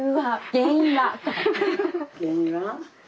原因は？